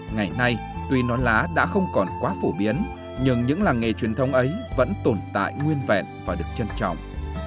ngày nay tuy non lá đã không còn quá phổ biến nhưng những làng nghề truyền thống ấy vẫn tồn tại nguyên vẹn và được trân trọng